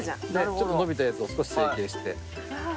ちょっとのびたやつを少し成形して。